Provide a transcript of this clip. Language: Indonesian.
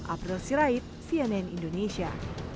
abdul sirait cnn indonesia